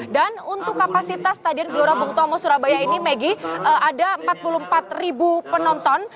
dan untuk kapasitas stadion gelora bung tomo surabaya ini maggie ada empat puluh empat ribu penonton